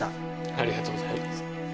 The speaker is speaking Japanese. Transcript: ありがとうございます。